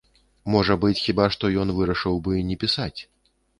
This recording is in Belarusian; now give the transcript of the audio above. Можа быць, хіба што, ён вырашыў бы не пісаць?